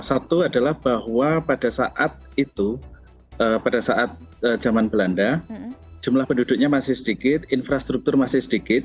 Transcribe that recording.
satu adalah bahwa pada saat itu pada saat zaman belanda jumlah penduduknya masih sedikit infrastruktur masih sedikit